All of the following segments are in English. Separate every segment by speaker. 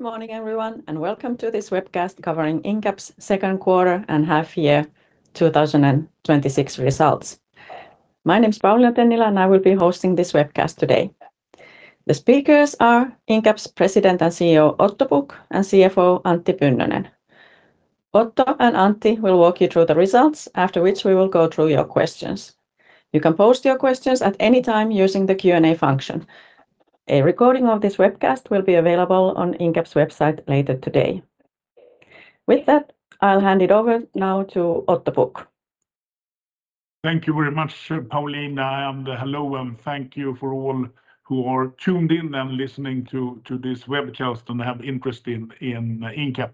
Speaker 1: Good morning, everyone, and welcome to this webcast covering Incap's second quarter and half year 2026 results. My name is Pauliina Tennilä, and I will be hosting this webcast today. The speakers are Incap's President and CEO, Otto Pukk, and CFO, Antti Pynnönen. Otto and Antti will walk you through the results, after which we will go through your questions. You can post your questions at any time using the Q&A function. A recording of this webcast will be available on Incap's website later today. With that, I'll hand it over now to Otto Pukk.
Speaker 2: Thank you very much, Pauliina. Hello and thank you for all who are tuned in and listening to this webcast and have interest in Incap.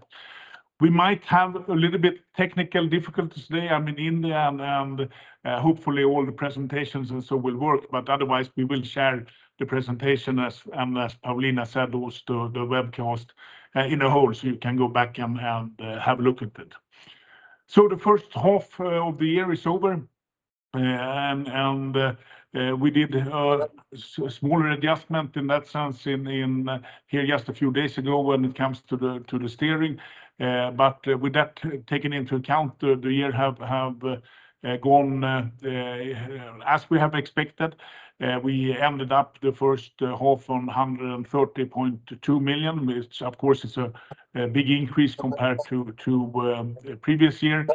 Speaker 2: We might have a little bit technical difficulty today. I'm in India and hopefully all the presentations will work, but otherwise, we will share the presentation, and as Pauliina said, also the webcast in a whole so you can go back and have a look at it. The first half of the year is over, and we did a smaller adjustment in that sense just a few days ago when it comes to the steering. With that taken into account, the year have gone as we have expected. We ended up the first half on 130.2 million, which, of course, is a big increase compared to previous year.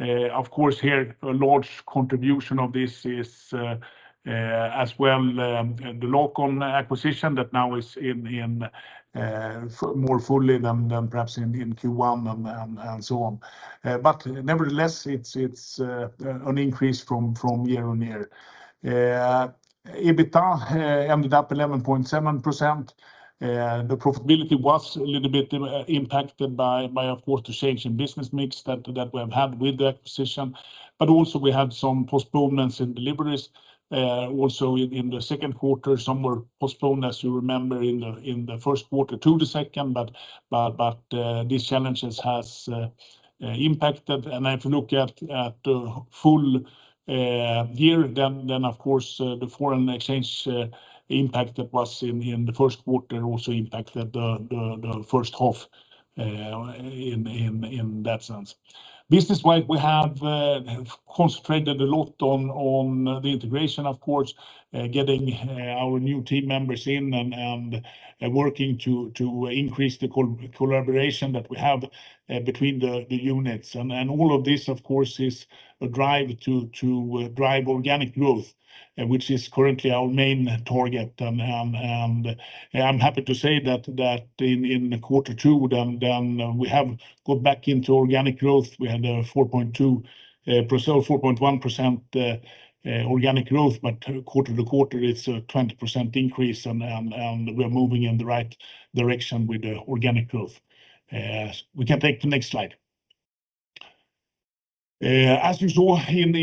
Speaker 2: A large contribution of this is, as well, the local acquisition that now is more fully than perhaps in Q1 and so on. Nevertheless, it's an increase from year-on-year. EBITDA ended up 11.7%. The profitability was a little bit impacted by, of course, the change in business mix that we have had with the acquisition. Also we had some postponements in deliveries, also in the second quarter. Some were postponed, as you remember, in the first quarter to the second, but these challenges has impacted. If you look at the full year, the foreign exchange impact that was in the first quarter also impacted the first half in that sense. Business-wide, we have concentrated a lot on the integration, of course, getting our new team members in and working to increase the collaboration that we have between the units. All of this, of course, is to drive organic growth, which is currently our main target. I'm happy to say that in quarter two, we have got back into organic growth. We had a 4.2%, 4.1% organic growth, but quarter-to-quarter it's a 20% increase and we are moving in the right direction with the organic growth. We can take the next slide. As you saw in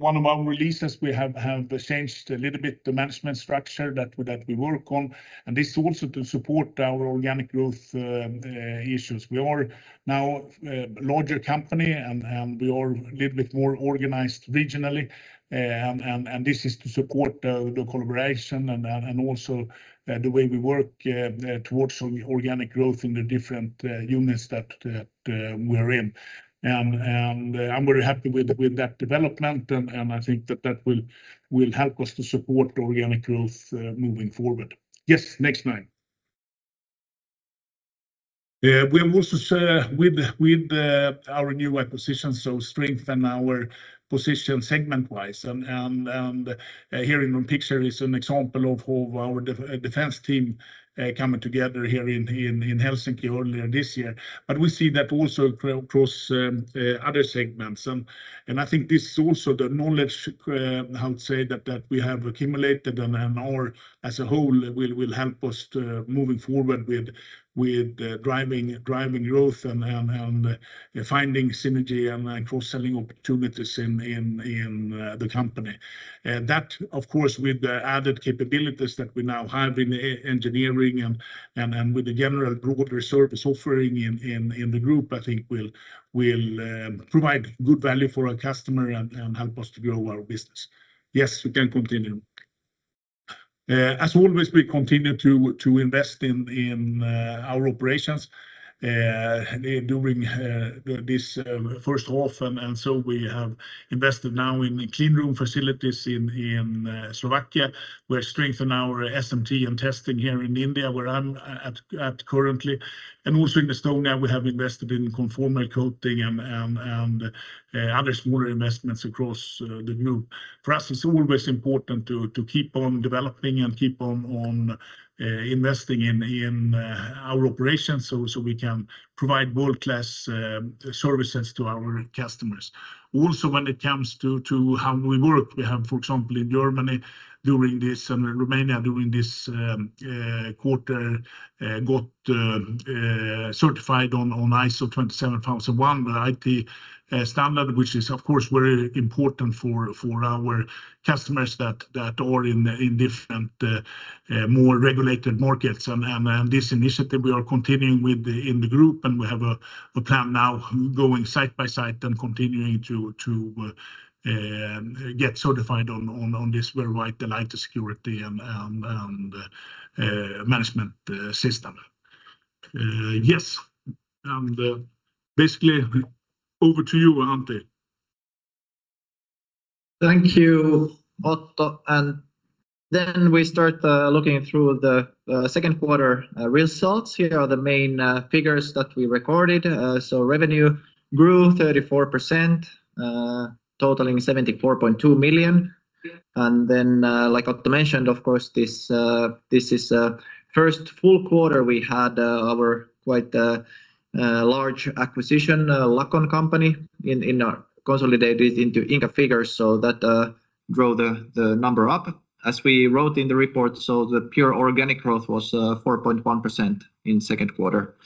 Speaker 2: one of our releases, we have changed a little bit the management structure that we work on, and this is also to support our organic growth issues. We are now a larger company, and we are a little bit more organized regionally. This is to support the collaboration and also the way we work towards organic growth in the different units that we're in. I'm very happy with that development, and I think that will help us to support organic growth moving forward. Yes, next slide. We have also, with our new acquisitions, strengthen our position segment-wise and here in one picture is an example of our defense team coming together here in Helsinki earlier this year. We see that also across other segments. I think this is also the knowledge, I would say, that we have accumulated and our, as a whole, will help us to moving forward with driving growth and finding synergy and cross-selling opportunities in the company. That of course, with the added capabilities that we now have in engineering and with the general broader service offering in the group, I think will provide good value for our customer and help us to grow our business. Yes, we can continue. As always, we continue to invest in our operations during this first half. We have invested now in cleanroom facilities in Slovakia. We are strengthen our SMT and testing here in India, where I'm at currently, and also in Estonia, we have invested in conformal coating and other smaller investments across the group. For us, it's always important to keep on developing and keep on investing in our operations so we can provide world-class services to our customers. Also, when it comes to how we work, we have, for example, in Germany during this and Romania during this quarter, got certified on ISO 27001, the IT standard, which is of course very important for our customers that are in different, more regulated markets. This initiative we are continuing with in the group, and we have a plan now going site by site and continuing to get certified on this very vital security and management system. Yes. Basically Over to you, Antti.
Speaker 3: Thank you, Otto. We start looking through the second quarter results. Here are the main figures that we recorded. Revenue grew 34%, totaling 74.2 million. Like Otto mentioned, of course, this is first full quarter we had our quite large acquisition, Lacon company, consolidated into Incap figures so that drove the number up. As we wrote in the report, the pure organic growth was 4.1% in second quarter.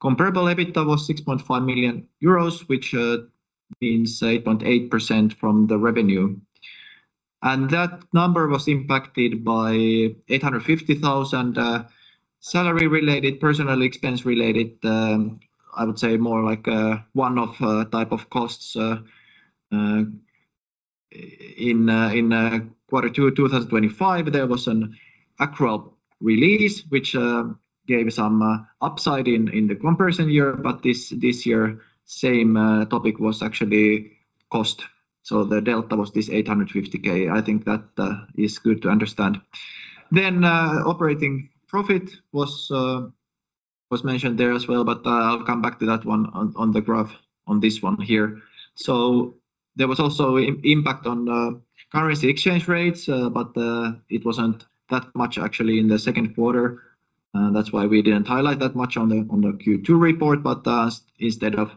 Speaker 3: Comparable EBITDA was 6.5 million euros, which means 8.8% from the revenue. That number was impacted by 850,000 salary-related, personnel expense-related, I would say more like a one-off type of costs. In quarter two of 2025, there was an accrual release, which gave some upside in the comparison year, but this year, same topic was actually cost. The delta was this 850,000. I think that is good to understand. Operating profit was mentioned there as well, I'll come back to that one on the graph on this one here. There was also impact on currency exchange rates, it wasn't that much actually in the second quarter. That's why we didn't highlight that much on the Q2 report. Instead of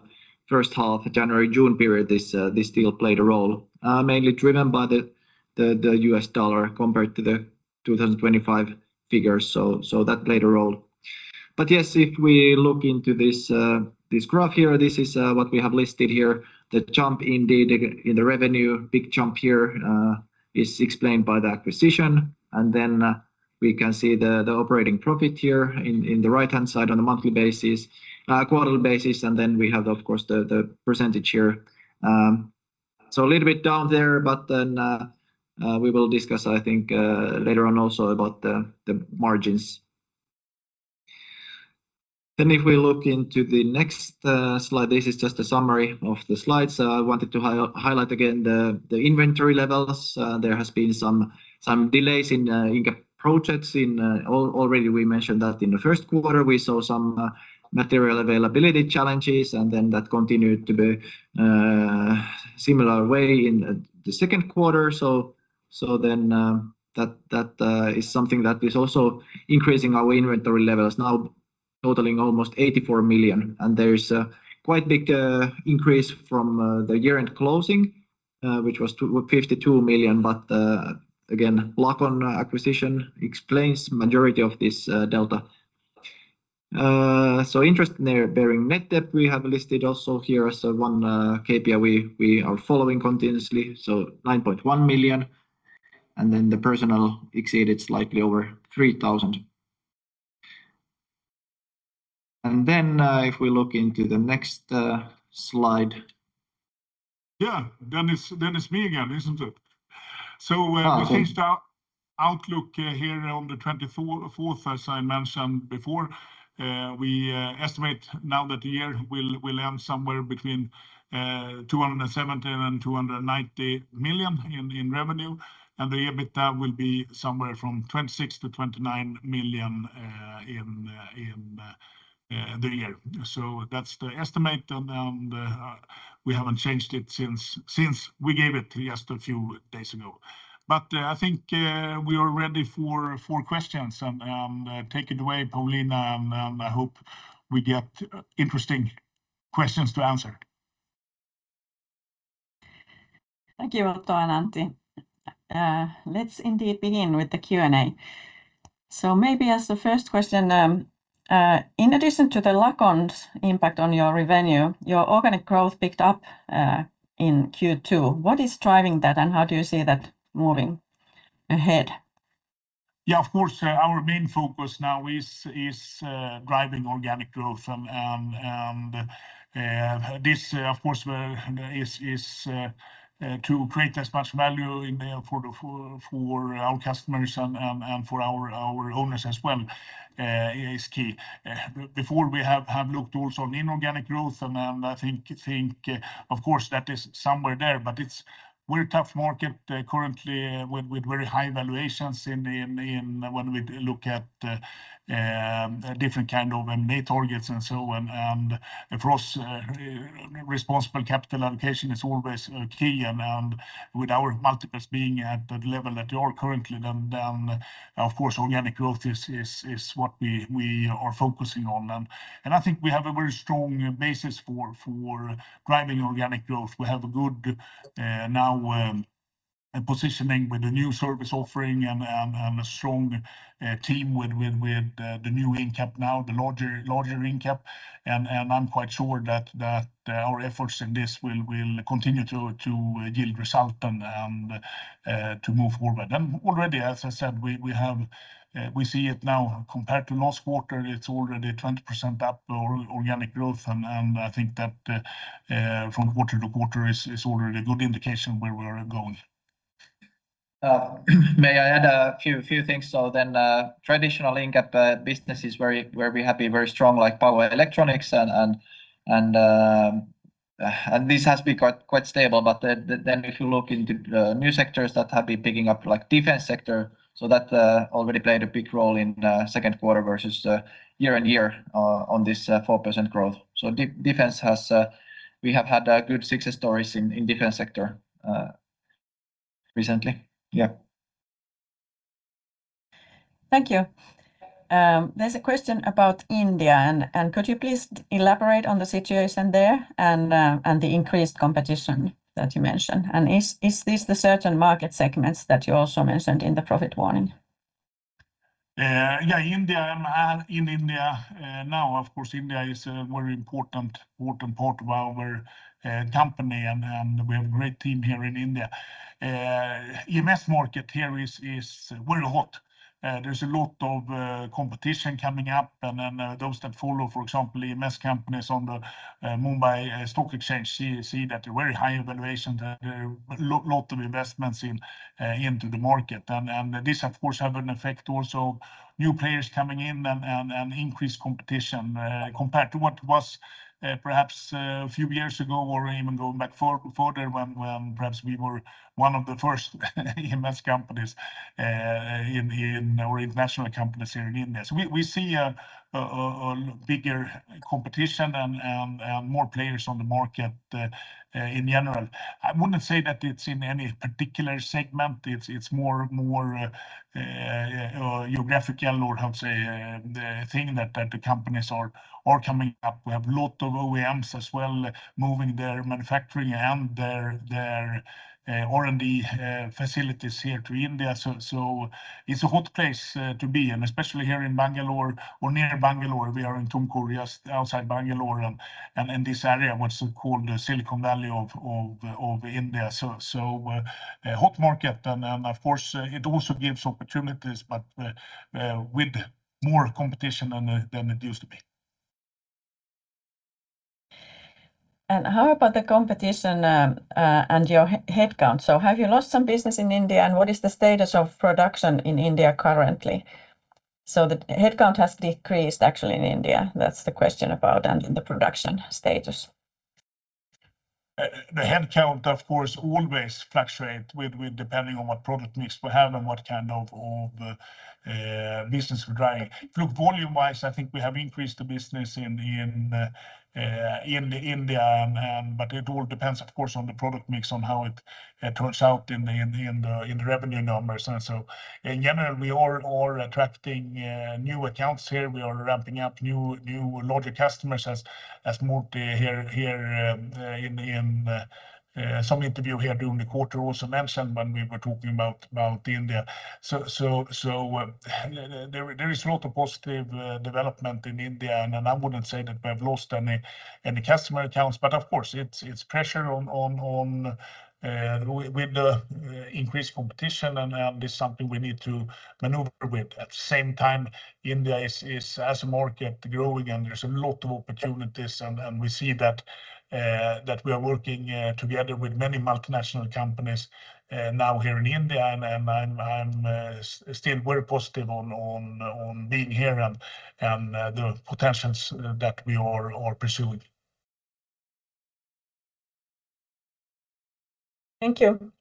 Speaker 3: first half January-June period, this still played a role, mainly driven by the U.S. dollar compared to the 2025 figures. That played a role. Yes, if we look into this graph here, this is what we have listed here. The jump indeed in the revenue, big jump here, is explained by the acquisition. We can see the operating profit here in the right-hand side on the quarterly basis. We have, of course, the percentage here. A little bit down there, we will discuss, I think, later on also about the margins. If we look into the next slide, this is just a summary of the slides. I wanted to highlight again the inventory levels. There has been some delays in Incap projects. Already we mentioned that in the first quarter, we saw some material availability challenges, that continued to be similar way in the second quarter. That is something that is also increasing our inventory levels now totaling almost 84 million. There's a quite big increase from the year-end closing, which was 52 million. Again, Lacon acquisition explains majority of this data. Interest-bearing net debt we have listed also here as one KPI we are following continuously. 9.1 million, the personnel exceeded slightly over 3,000. If we look into the next slide
Speaker 2: It's me again, isn't it? We changed our outlook here on the 24th, as I mentioned before. We estimate now that the year will end somewhere between 270 million and 290 million in revenue, the EBITDA will be somewhere from 26 million to 29 million in the year. That's the estimate, we haven't changed it since we gave it just a few days ago. I think we are ready for questions, take it away, Pauliina. I hope we get interesting questions to answer.
Speaker 1: Thank you, Otto and Antti. Let's indeed begin with the Q&A. Maybe as the first question, in addition to the Lacon's impact on your revenue, your organic growth picked up in Q2. What is driving that, and how do you see that moving ahead?
Speaker 2: Yeah, of course, our main focus now is driving organic growth, and this, of course, is to create as much value for our customers and for our owners as well is key. Before we have looked also on inorganic growth, and I think, of course, that is somewhere there. We're a tough market currently with very high valuations when we look at different kind of M&A targets and so on. Of course, responsible capital allocation is always key. With our multiples being at the level that they are currently, then of course, organic growth is what we are focusing on. I think we have a very strong basis for driving organic growth. We have a good positioning now with the new service offering and a strong team with the new Incap now, the larger Incap. I'm quite sure that our efforts in this will continue to yield result and to move forward. Already, as I said, we see it now compared to last quarter, it's already 20% up organic growth. I think that from quarter to quarter is already a good indication where we are going.
Speaker 3: May I add a few things? Traditional Incap business is where we have a very strong power electronics, and this has been quite stable. If you look into the new sectors that have been picking up, like defense sector, so that already played a big role in second quarter versus year-on-year on this 4% growth. We have had good success stories in defense sector recently. Yeah.
Speaker 1: Thank you. There's a question about India. Could you please elaborate on the situation there and the increased competition that you mentioned? Is this the certain market segments that you also mentioned in the profit warning?
Speaker 2: India. Now, of course, India is a very important part of our company, and we have a great team here in India. EMS market here is very hot. There's a lot of competition coming up. Those that follow, for example, EMS companies on the Bombay Stock Exchange see that a very high evaluation, a lot of investments into the market. This of course, have an effect also, new players coming in and increased competition compared to what was perhaps a few years ago or even going back further when perhaps we were one of the first EMS companies or international companies here in India. We see a bigger competition and more players on the market in general. I wouldn't say that it's in any particular segment. It's more geographical, or how to say, the thing that the companies are coming up. We have lot of OEMs as well moving their manufacturing and their R&D facilities here to India. It's a hot place to be, and especially here in Bangalore or near Bangalore. We are in Tumkur, outside Bangalore, and in this area what's called the Silicon Valley of India. A hot market, and of course, it also gives opportunities, but with more competition than it used to be.
Speaker 1: How about the competition and your headcount? Have you lost some business in India, and what is the status of production in India currently? The headcount has decreased actually in India. That's the question about the production status.
Speaker 2: The headcount, of course, always fluctuate depending on what product mix we have and what kind of business we're driving. Volume wise, I think we have increased the business in India, but it all depends, of course, on the product mix, on how it turns out in the revenue numbers. In general, we are attracting new accounts here. We are ramping up new larger customers as [Morten] here in some interview here during the quarter also mentioned when we were talking about India. There is a lot of positive development in India. I wouldn't say that we have lost any customer accounts, but of course, it's pressure with the increased competition, and this is something we need to maneuver with. At the same time, India is, as a market, growing and there's a lot of opportunities, and we see that we are working together with many multinational companies now here in India. I'm still very positive on being here and the potentials that we are pursuing.
Speaker 1: Thank you.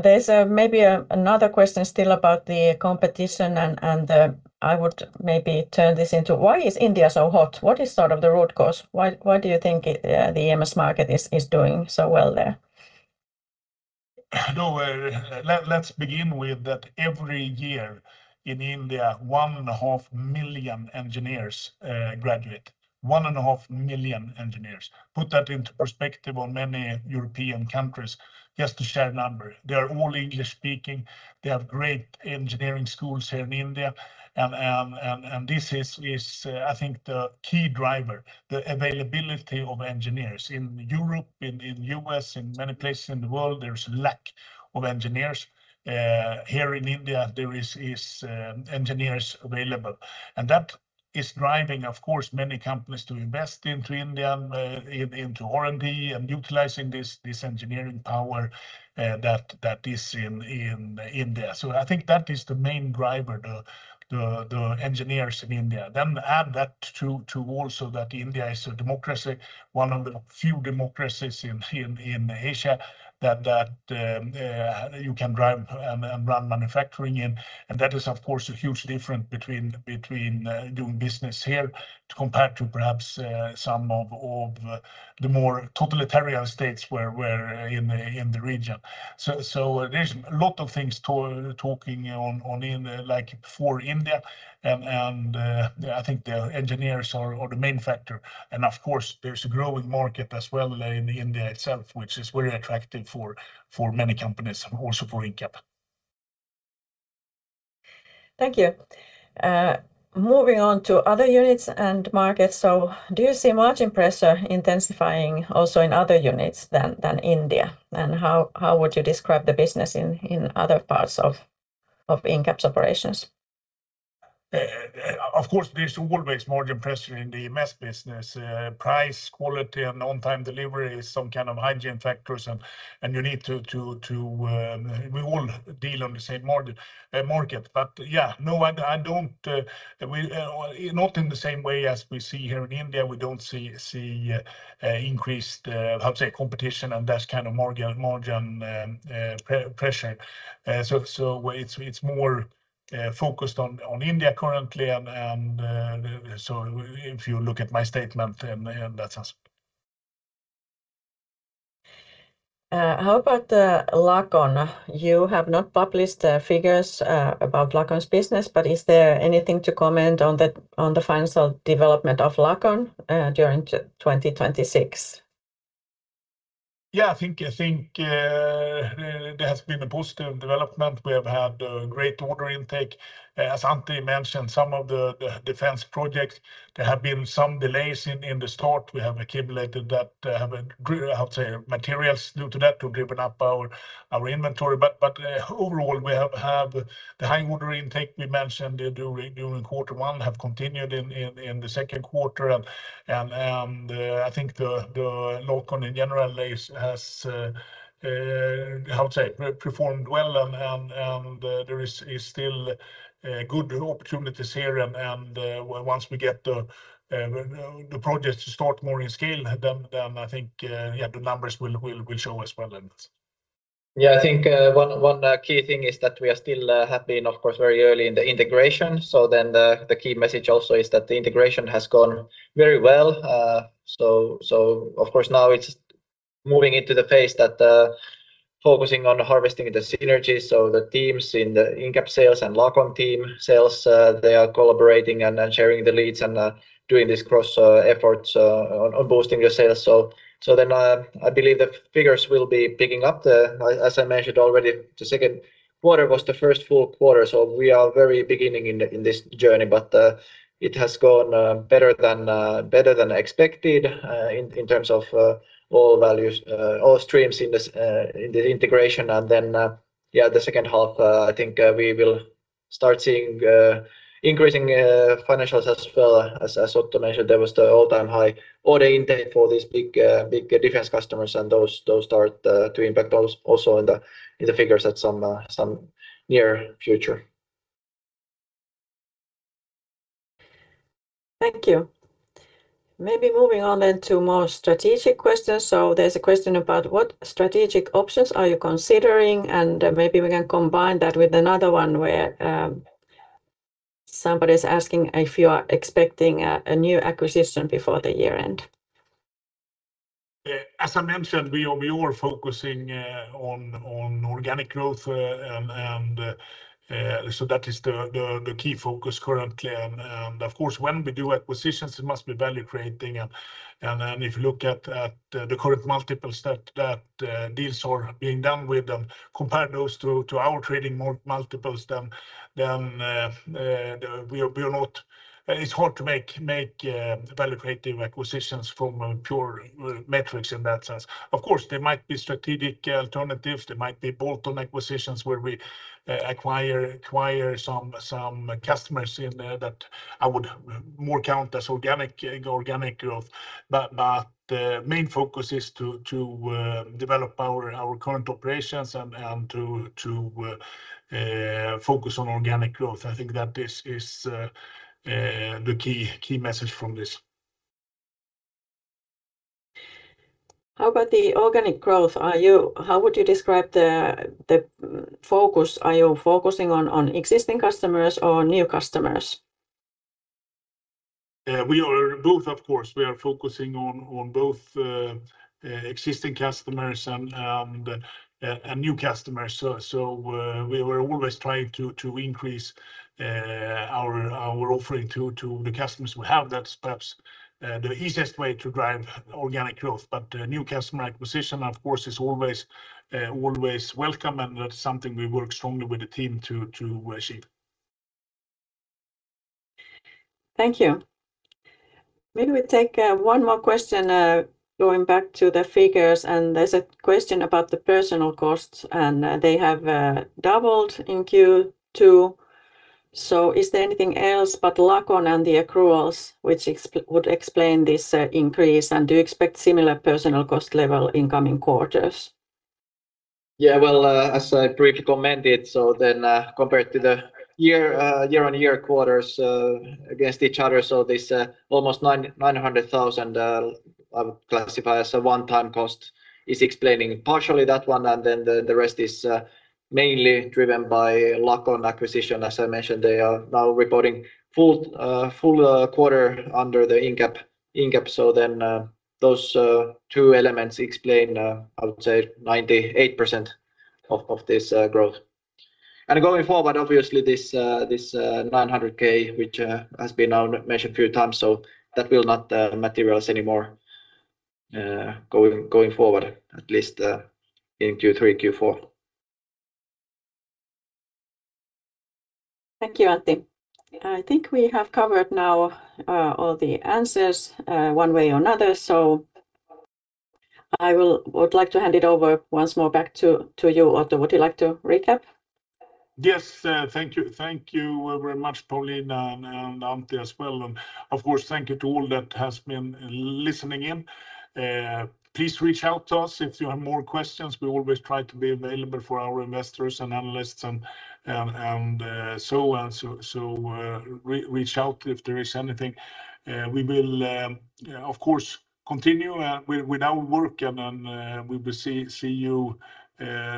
Speaker 1: There's maybe another question still about the competition, and I would maybe turn this into why is India so hot? What is sort of the root cause? Why do you think the EMS market is doing so well there?
Speaker 2: Let's begin with that every year in India, 1.5 million engineers graduate. 1.5 million engineers. Put that into perspective on many European countries, just to share a number. They are all English speaking. They have great engineering schools here in India. This is, I think, the key driver, the availability of engineers. In Europe, in U.S., in many places in the world, there's lack of engineers. Here in India, there is engineers available, and that is driving, of course, many companies to invest into India, into R&D, and utilizing this engineering power that is in India. I think that is the main driver, the engineers in India. Add that to also that India is a democracy, one of the few democracies in Asia, that you can drive and run manufacturing in. That is, of course, a huge difference between doing business here compared to perhaps some of the more totalitarian states in the region. There's a lot of things talking on India, like for India, and I think the engineers are the main factor. Of course, there's a growing market as well in India itself, which is very attractive for many companies and also for Incap.
Speaker 1: Thank you. Moving on to other units and markets. Do you see margin pressure intensifying also in other units than India? How would you describe the business in other parts of Incap's operations?
Speaker 2: Of course, there's always margin pressure in the EMS business. Price, quality, and on-time delivery are some kind of hygiene factors, and we all deal on the same market. Yeah, not in the same way as we see here in India. We don't see increased competition and that kind of margin pressure. It's more focused on India currently. If you look at my statement, then that's us.
Speaker 1: How about the Lacon? You have not published the figures about Lacon's business, but is there anything to comment on the financial development of Lacon during 2026?
Speaker 2: Yeah, I think there has been a positive development. We have had great order intake. As Antti mentioned, some of the defense projects, there have been some delays in the start. We have accumulated materials due to that. We've driven up our inventory. Overall, we have had the high order intake we mentioned during Q1 have continued in Q2. I think the Lacon Group in general has performed well, and there is still good opportunities here. Once we get the projects to start more in scale, I think the numbers will show as well.
Speaker 3: Yeah, I think one key thing is that we still have been, of course, very early in the integration. The key message also is that the integration has gone very well. Of course now it's moving into the phase that focusing on harvesting the synergies, so the teams in the Incap sales and Lacon Group team sales, they are collaborating and sharing the leads and doing these cross efforts on boosting the sales. I believe the figures will be picking up. As I mentioned already, Q2 was the first full quarter, so we are very beginning in this journey. It has gone better than expected in terms of all streams in the integration. The second half, I think we will start seeing increasing financials as well. As Otto mentioned, there was the all-time high order intake for these big defense customers. Those start to impact also in the figures at some near future.
Speaker 1: Thank you. Maybe moving on then to more strategic questions. There's a question about what strategic options are you considering. Maybe we can combine that with another one where somebody's asking if you are expecting a new acquisition before the year-end.
Speaker 2: As I mentioned, we are focusing on organic growth, that is the key focus currently. Of course, when we do acquisitions, it must be value-creating. If you look at the current multiples that deals are being done with and compare those to our trading multiples, then it's hard to make value-creating acquisitions from pure metrics in that sense. Of course, there might be strategic alternatives. There might be bolt-on acquisitions where we acquire some customers that I would more count as organic growth. The main focus is to develop our current operations and to focus on organic growth. I think that is the key message from this.
Speaker 1: How about the organic growth? How would you describe the focus? Are you focusing on existing customers or new customers?
Speaker 2: We are both, of course. We are focusing on both existing customers and new customers. We were always trying to increase our offering to the customers we have. That's perhaps the easiest way to drive organic growth. New customer acquisition, of course, is always welcome and that's something we work strongly with the team to achieve.
Speaker 1: Thank you. Maybe we take one more question, going back to the figures. There's a question about the personal costs, they have doubled in Q2. Is there anything else but Lacon and the accruals which would explain this increase? Do you expect similar personal cost level in coming quarters?
Speaker 3: Well, as I briefly commented, compared to the year-on-year quarters against each other, this almost 900,000 I would classify as a one-time cost is explaining partially that one, and the rest is mainly driven by Lacon acquisition. As I mentioned, they are now reporting full quarter under Incap. Those two elements explain, I would say, 98% of this growth. Going forward, obviously, this 900,000, which has been now mentioned a few times, that will not materialize anymore going forward, at least in Q3, Q4.
Speaker 1: Thank you, Antti. I think we have covered now all the answers one way or another, I would like to hand it over once more back to you, Otto. Would you like to recap?
Speaker 2: Yes. Thank you. Thank you very much, Pauliina, and Antti as well. Of course, thank you to all that has been listening in. Please reach out to us if you have more questions. We always try to be available for our investors and analysts and so on. Reach out if there is anything. We will of course continue with our work, and we will see you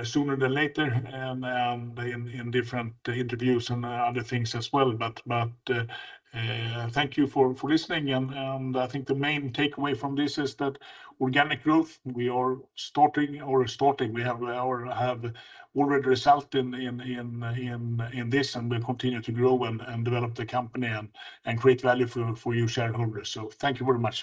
Speaker 2: sooner than later in different interviews and other things as well. Thank you for listening, and I think the main takeaway from this is that organic growth, we are starting or have already resulted in this, and we'll continue to grow and develop the company and create value for you shareholders. Thank you very much.